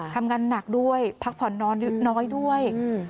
ทำงานหนักด้วยพักผ่อนน้อยด้วย